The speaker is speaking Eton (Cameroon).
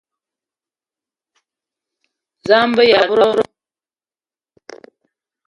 Za a be aya a nda dob-ro?